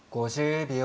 ５０秒。